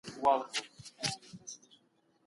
احمد شاه ابدالي څنګه د خپلي کورنۍ ملاتړ درلود؟